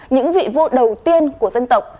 những vị vô đầu tiên của dân tộc